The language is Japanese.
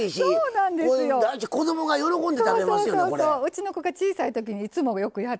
うちの子が小さい時にいつもよくやってて。